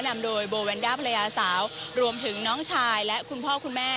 นำโดยโบแวนด้าภรรยาสาวรวมถึงน้องชายและคุณพ่อคุณแม่